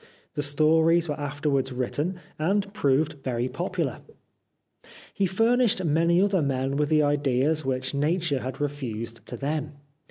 The stories were afterwards written, and proved very popular. He furnished many other men with the ideas which Nature had refused to them.